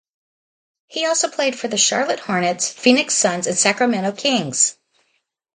He also played for the Charlotte Hornets, Phoenix Suns, and Sacramento Kings.